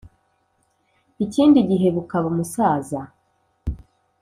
ikindi gihe bukaba umusaza